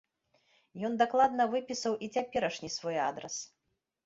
Ён дакладна выпісаў і цяперашні свой адрас.